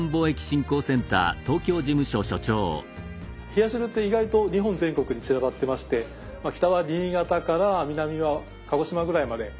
冷や汁って意外と日本全国に散らばってまして北は新潟から南は鹿児島ぐらいまで。